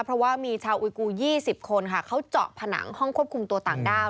เพราะว่ามีชาวอุยกู๒๐คนค่ะเขาเจาะผนังห้องควบคุมตัวต่างด้าว